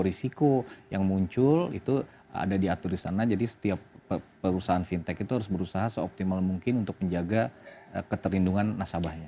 risiko yang muncul itu ada diatur di sana jadi setiap perusahaan fintech itu harus berusaha seoptimal mungkin untuk menjaga keterlindungan nasabahnya